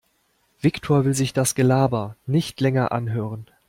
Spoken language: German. Viktor will sich das Gelaber nicht länger anhören.